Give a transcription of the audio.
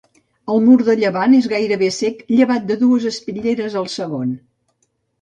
El mur de llevant és gairebé cec llevat de dues espitlleres al segon.